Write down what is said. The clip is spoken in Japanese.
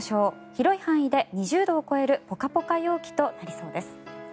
広い範囲で２０度を超えるポカポカ陽気となりそうです。